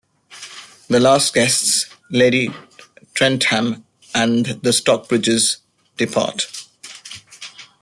The last guests, Lady Trentham and the Stockbridges, depart.